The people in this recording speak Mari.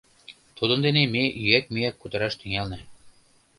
Тудын дене ме ӱяк-мӱяк кутыраш тӱҥална.